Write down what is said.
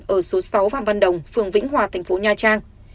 ở số sáu phạm văn đồng phường vĩnh hòa thành phố nha trang